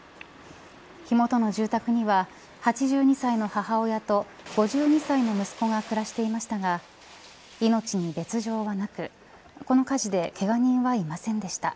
火元の住宅には８２歳の母親と５２歳の息子が暮らしていましたが命に別条はなくこの火事でけが人はいませんでした。